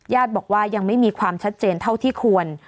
บอกว่ายังไม่มีความชัดเจนเท่าที่ควร